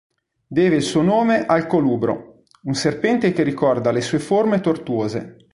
Deve il suo nome al colubro, un serpente che ricorda le sue forme tortuose.